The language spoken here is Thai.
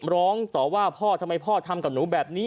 ร้องต่อว่าพ่อทำไมพ่อทำกับหนูแบบนี้